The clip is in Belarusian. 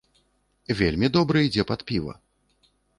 Вельмі добра ідзе пад піва.